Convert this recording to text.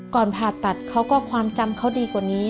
ผ่าตัดเขาก็ความจำเขาดีกว่านี้